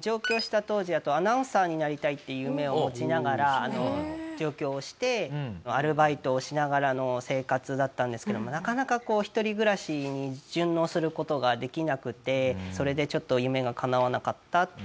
上京した当時アナウンサーになりたいって夢を持ちながら上京してアルバイトをしながらの生活だったんですけどもなかなか１人暮らしに順応する事ができなくてそれでちょっと夢が叶わなかったっていう感じで。